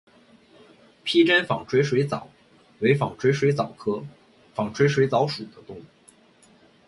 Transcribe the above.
披针纺锤水蚤为纺锤水蚤科纺锤水蚤属的动物。